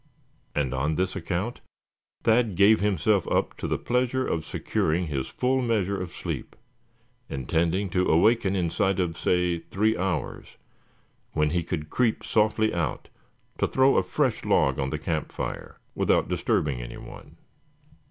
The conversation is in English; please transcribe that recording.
And on this account Thad gave himself up to the pleasure of securing his full measure of sleep, intending to awaken inside of, say three hours, when he could creep softly out, to throw a fresh log on the camp fire, without disturbing any one.